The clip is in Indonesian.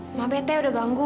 sama peh teh udah ganggu